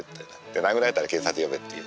殴られたら警察呼べっていう。